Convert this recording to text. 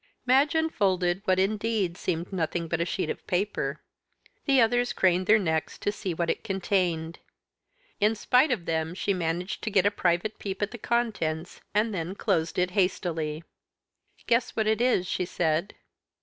Madge unfolded what indeed seemed nothing but a sheet of paper. The others craned their necks to see what it contained. In spite of them she managed to get a private peep at the contents, and then closed it hastily. "Guess what it is," she said.